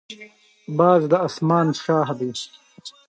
باز د اسمان شاه دی